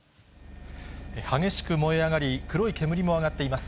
激しく燃え上がり、黒い煙も上がっています。